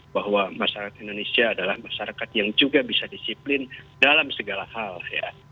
bahwa masyarakat indonesia adalah masyarakat yang juga bisa disiplin dalam segala hal ya